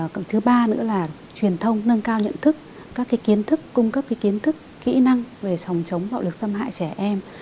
còn thứ ba nữa là truyền thông nâng cao nhận thức các kiến thức cung cấp kiến thức kỹ năng về phòng chống bạo lực xâm hại trẻ em